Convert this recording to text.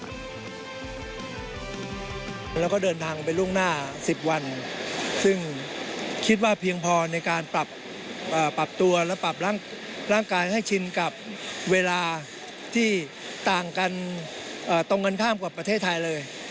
แล้วก็เดินทางไปล่วงหน้า๑๐วันซึ่งคิดว่าเพียงพอในการปรับตัวและปรับร่างกายให้ชินกับเวลาที่ต่างกันตรงกันข้ามกับประเทศไทยเลย